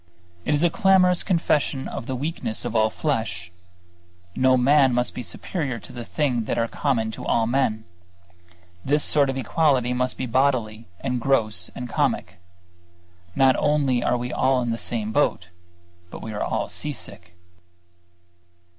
It is a clamorous confession of the weakness of all flesh. No man must be superior to the things that are common to men. This sort of equality must be bodily and gross and comic. Not only are we all in the same boat, but we are all seasick.